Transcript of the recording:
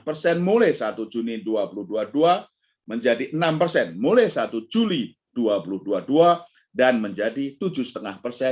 dua puluh persen mulai satu juni dua ribu dua puluh dua menjadi enam persen mulai satu juli dua ribu dua puluh dua dan menjadi tujuh lima persen